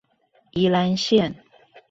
宜蘭線